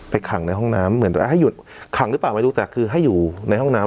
ขังในห้องน้ำเหมือนให้หยุดขังหรือเปล่าไม่รู้แต่คือให้อยู่ในห้องน้ำ